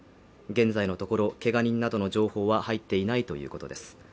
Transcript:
現在のところけが人などの情報は入っていないということです